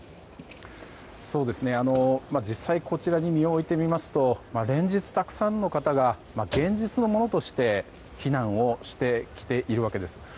実際こちらに身を置いてみますと連日、たくさんの方が現実のものとして避難をしてきているわけです。